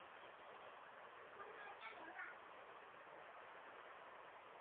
而厄瓜多尔共和国也因此成立。